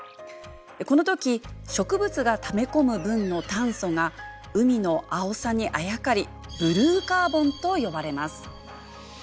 このとき植物がため込む分の炭素が海の青さにあやかり「ブルーカーボン」と呼ばれます。